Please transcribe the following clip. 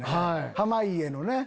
濱家のね。